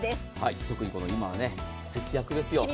特に、今は節約ですよ。